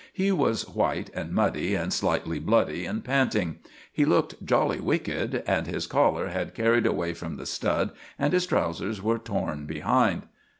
He was white and muddy, and slightly bloody and panting; he looked jolly wicked, and his collar had carried away from the stud, and his trousers were torn behind.